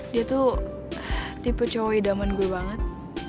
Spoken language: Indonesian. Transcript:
dia tuh tipe cowok zaman gue banget